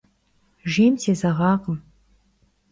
Jjêym sêzeğakhım.